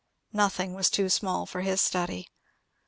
Nothing was too small for his study.